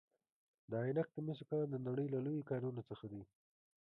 د عینک د مسو کان د نړۍ له لویو کانونو څخه دی.